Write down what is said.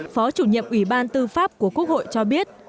phó chủ nhiệm ủy ban tư pháp của quốc hội cho biết